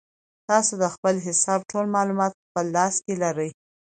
تاسو د خپل حساب ټول معلومات په خپل لاس کې لرئ.